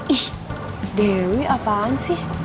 ih dewi apaan sih